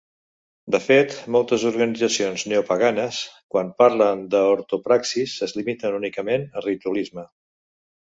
De fet, moltes organitzacions neopaganes, quan parlen d'ortopraxis, es limiten únicament al ritualisme.